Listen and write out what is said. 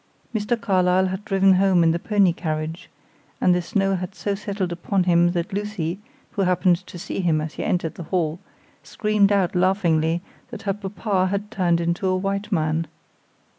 Mr. Carlyle had driven home in the pony carriage, and the snow had so settled upon him that Lucy, who happened to see him as he entered the hall, screamed out laughingly that her papa had turned into a white man.